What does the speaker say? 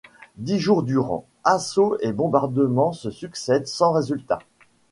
Dix jours durant, assauts et bombardements se succèdent sans résultat.